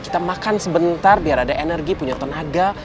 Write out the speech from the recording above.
kita makan sebentar biar ada energi punya tenaga